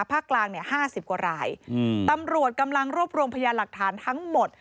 ภาคกลาง๕๐กว่ารายตำรวจกำลังรบรวมพยาหลักฐานทั้งหมด